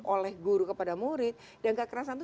oleh guru kepada murid dan kekerasan itu